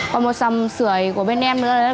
còn một dòng sửa của bên em nữa